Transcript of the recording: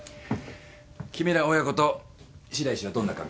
君ら親子と白石はどんな関係？